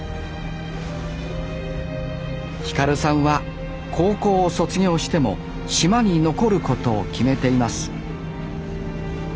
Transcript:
輝さんは高校を卒業しても島に残ることを決めています